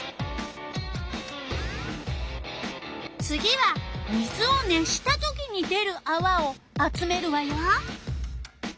次は水を熱したときに出るあわを集めるわよ。